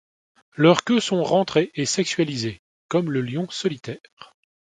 Leurs queues sont rentrées et sexualisées, comme le lion solitaire.